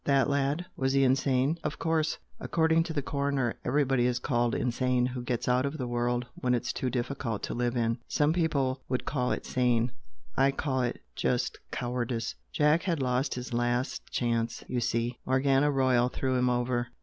That lad? Was he insane?" "Of course! according to the coroner. Everybody is called 'insane' who gets out of the world when it's too difficult to live in. Some people would call it sane. I call it just cowardice! Jack had lost his last chance, you see. Morgana Royal threw him over."